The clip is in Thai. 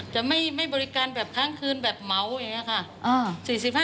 จะไม่บริการแบบครั้งคืนแบบเหมาอย่างนี้ค่ะ